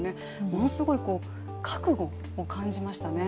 ものすごい覚悟を感じましたね。